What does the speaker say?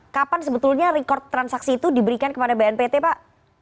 kapan sebetulnya rekod transaksi itu diberikan kepada bnpt pak